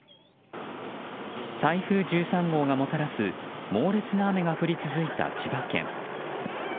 台風１３号がもたらす猛烈な雨が降り続いた千葉県。